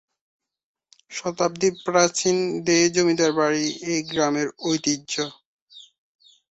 শতাব্দী প্রাচীন দে জমিদার বাড়ি এই গ্রামের ঐতিহ্য।